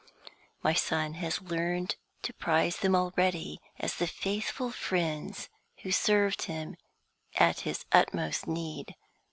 My son has learned to prize them already as the faithful friends who served him at his utmost need.